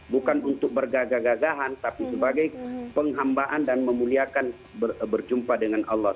bukan untuk bergagah gagahan tapi sebagai penghambaan dan memuliakan berjumpa dengan allah